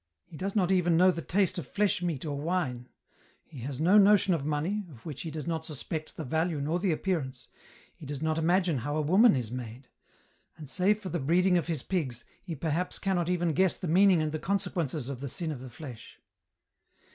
" He does not even know the taste of flesh meat or wine ; he has no notion of money, of which he does not suspect the value nor the appearance ; he does not imagine how a woman is made ; and save for the breeding of his pigs, he perhaps cannot even guess the meaning and the conse quences of the sin of the flesh.